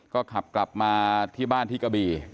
ก็ขับกลับมาที่บ้านที่กะบี่